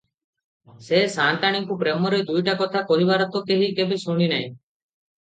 ସେ ସାଆନ୍ତାଣୀଙ୍କୁ ପ୍ରେମରେ ଦୁଇଟା କଥା କହିବାର ତ କେହି କେବେ ଶୁଣି ନାହିଁ ।